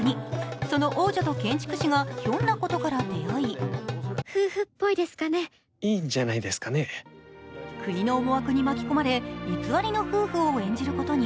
その王女と建築士がひょんなことから出会い国の思惑に巻き込まれ、偽りの夫婦を演じることに。